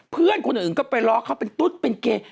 เพื่อนคนอื่นก็ไปล้อเขาเป็นตุ๊ดเป็นเกย์